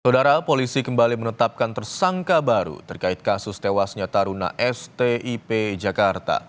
saudara polisi kembali menetapkan tersangka baru terkait kasus tewasnya taruna stip jakarta